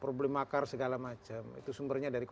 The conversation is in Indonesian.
problem makar segala macam itu sumbernya dari